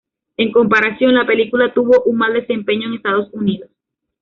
En comparación, la película tuvo un mal desempeño en Estados Unidos.